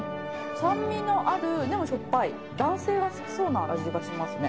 酸味のあるでもしょっぱい男性が好きそうな味がしますね。